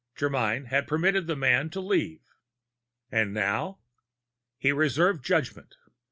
Germyn had permitted the man to leave. And now? He reserved judgment.